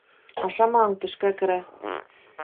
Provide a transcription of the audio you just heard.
Ашамаһаң, төшкә керә.